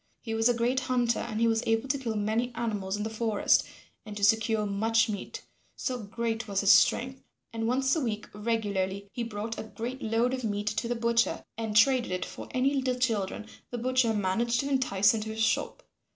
He was a great hunter and he was able to kill many animals in the forest and to secure much meat, so great was his strength, and once a week regularly he brought a great load of meat to the butcher and traded it for any little children the butcher managed to entice into his shop.